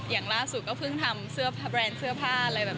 อย่างล่าสุดก็เพิ่งทำเสื้อแบรนด์เสื้อผ้าอะไรแบบ